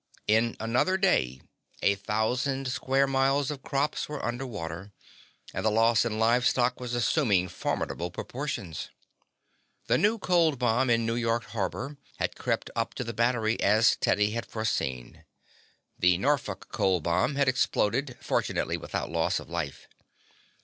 In another day a thousand square miles of crops were under water, and the loss in live stock was assuming formidable proportions. The new cold bomb in New York harbor had crept up to the Battery, as Teddy had foreseen. The Norfolk cold bomb had exploded, fortunately without loss of life.